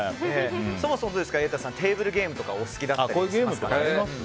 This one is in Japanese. そもそも、瑛太さんテーブルゲームとかお好きだったりしますか。